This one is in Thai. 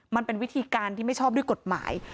มันเป็นวิธีการที่ไม่ชอบด้วยกฎหมาย